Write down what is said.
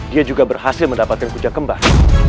dia juga berhasil mendapatkan kuja kembar